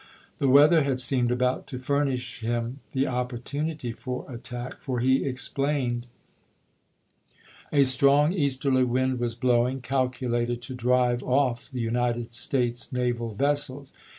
The weather had seemed about to furnish him the opportunity for attack, for he explained : A strong easterly wind was blowing, calculated to drive off the United States naval vessels.